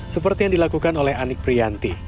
seperti yang dilakukan oleh anik prianti